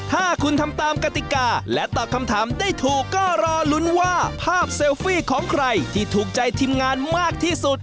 ถ้าคุณทำตามกติกาและตอบคำถามได้ถูกก็รอลุ้นว่าภาพเซลฟี่ของใครที่ถูกใจทีมงานมากที่สุด